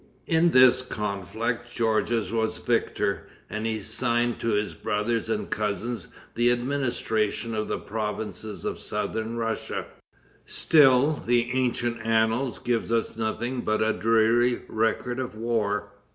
In this conflict Georges was victor, and he assigned to his brothers and cousins the administration of the provinces of southern Russia. Still the ancient annals give us nothing but a dreary record of war.